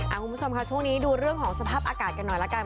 คุณผู้ชมค่ะช่วงนี้ดูเรื่องของสภาพอากาศกันหน่อยละกัน